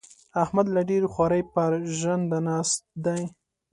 احمد له ډېرې خوارۍ؛ پر ژنده ناست دی.